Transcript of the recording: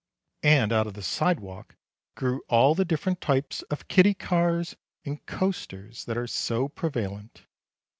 And out of the sidewalk grew all the different types of kiddie kars and coasters that are so prevalent.